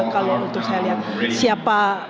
dan untuk saya lihat siapa